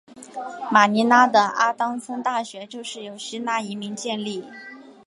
马尼拉的阿当森大学就是由希腊移民建立。